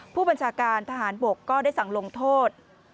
ผู้บัญชาการทหารบกก็ได้สั่งลงโทษ